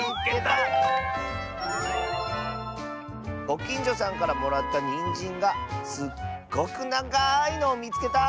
「ごきんじょさんからもらったにんじんがすっごくながいのをみつけた！」。